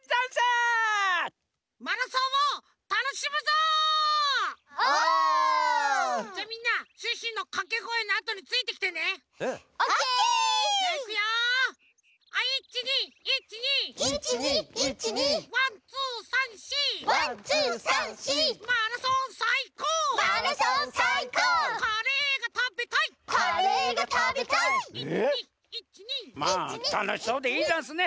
まあたのしそうでいいざんすね。